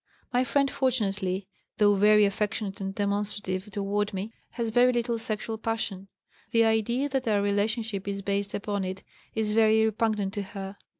My friend, fortunately, though very affectionate and demonstrative toward me, has very little sexual passion. The idea that our relationship is based upon it is very repugnant to her.